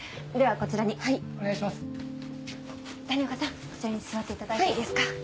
こちらに座っていただいていいですか？